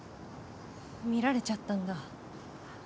見られちゃったんだ。